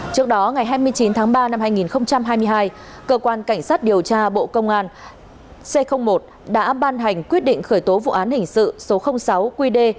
trước đó ngày hai mươi chín tháng ba năm hai nghìn hai mươi hai cơ quan cảnh sát điều tra bộ công an c một đã ban hành quyết định khởi tố vụ án hình sự số sáu qd